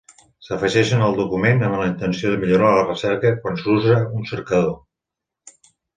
S'afegeixen al document amb la intenció de millorar la recerca quan s'usa un cercador.